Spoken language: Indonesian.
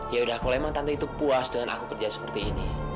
ya udah kalau emang tante itu puas dengan aku kerja seperti ini